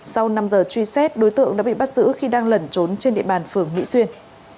sau năm giờ truy xét đối tượng đã bị bắt giữ khi đang lẩn trốn trên địa bàn phường mỹ xuyên